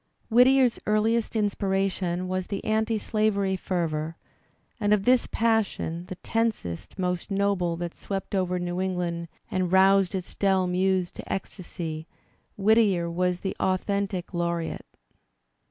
Whfittier's earhest inspiration was the anti slavery fervour, and of this passion, the tensest, most noble, that swept over New England and roused Digitized by Google WHITTIER 118 its dull muse to ecstasy, Whittier was the authentic lau reate.